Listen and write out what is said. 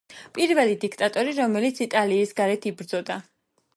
პირველი დიქტატორი, რომელიც იტალიის გარეთ იბრძოდა.